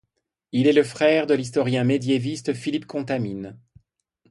Il est le frère de l'historien médiéviste Philippe Contamine.